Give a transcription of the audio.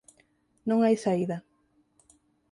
Non hai saída.